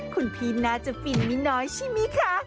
คุณผีนาจะฟินีน้อยใช่ไหมคะ